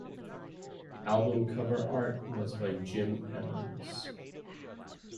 Album cover art was by Jim Evans.